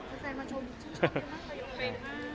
ชอบมากเป็นมาก